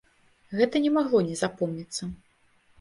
Гэта не магло не запомніцца.